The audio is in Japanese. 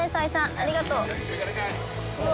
ありがとう。